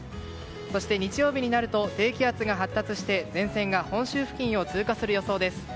そして日曜日になると低気圧が発達して前線が本州付近を通過する予想です。